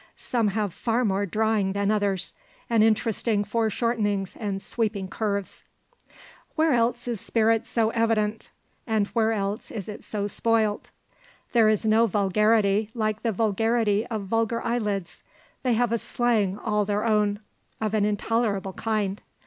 Some have far more drawing than others, and interesting foreshortenings and sweeping curves. Where else is spirit so evident? And where else is it so spoilt? There is no vulgarity like the vulgarity of vulgar eyelids. They have a slang all their own, of an intolerable kind.